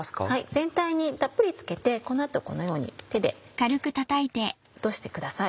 全体にたっぷり付けてこの後このように手で落としてください。